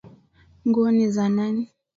Nguo ni za nani?